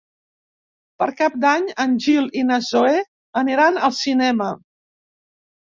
Per Cap d'Any en Gil i na Zoè aniran al cinema.